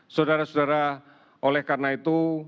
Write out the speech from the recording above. saudara saudara oleh karena itu